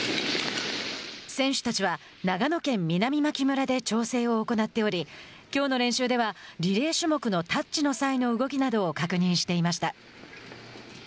選手たちは、長野県南牧村で調整を行っておりきょうの練習では、リレー種目のタッチの際の動きなどを確認していました。